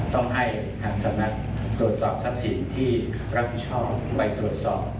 ต้องให้ทางสำนักตรวจสอบทรัพย์สินที่รับผิดชอบไปตรวจสอบ